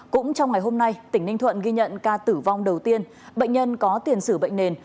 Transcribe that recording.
cũng trong ngày hôm nay tỉnh ninh thuận ghi nhận ca tử vong đầu tiên bệnh nhân có tiền sử bệnh nền